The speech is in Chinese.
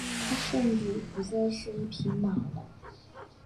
他甚至不再是一匹马了。